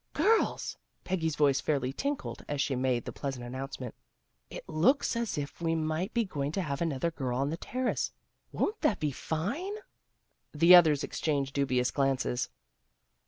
" Girls! " Peggy's voice fairly tinkled, as she made the pleasant announcement. " It looks as if we might be going to have another girl on the Terrace. Won't that be fine? " 14 THE GIRLS OF FRIENDLY TERRACE The others exchanged dubious glances.